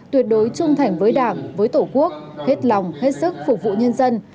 tuyệt đối trung thành với đảng với tổ quốc hết lòng hết sức phục vụ nhân dân